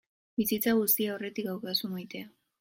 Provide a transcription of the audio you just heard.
Bizitza guztia aurretik daukazu maitea.